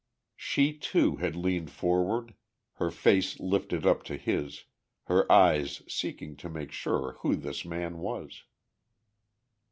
She, too, had leaned forward, her face lifted up to his, her eyes seeking to make sure who this man was.